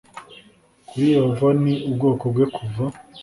kuri yehova n ubwoko bwe kuva